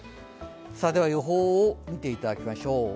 予報を見ていただきましょう。